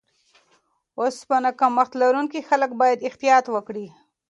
اوسپنه کمښت لرونکي خلک باید احتیاط وکړي.